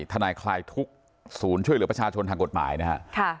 ทนายคลายทุกข์ศูนย์ช่วยเหลือประชาชนทางกฎหมายนะฮะ